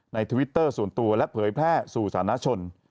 ทวิตเตอร์ส่วนตัวและเผยแพร่สู่สานชน